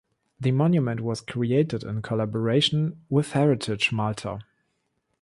The monument was created in collaboration with Heritage Malta.